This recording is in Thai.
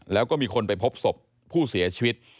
แล้วก็มีคนไปพบศพผู้เสียชีวิต